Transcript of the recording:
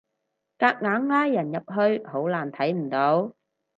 夾硬拉人入去好難睇唔到